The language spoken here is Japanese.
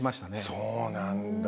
そうなんだ。